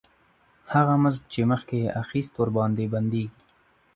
هغه مزد چې مخکې یې اخیست ورباندې بندېږي